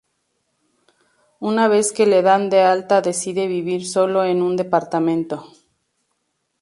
Una vez que le dan de alta decide vivir solo en un departamento.